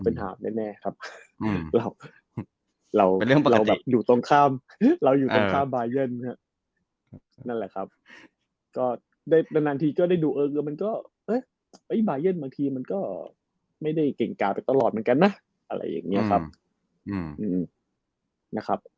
เป็นเรื่องปกติ